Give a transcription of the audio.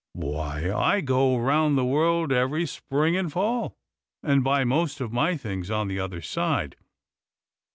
Why, I go round the world every spring and fall, and buy most of my things on the other side.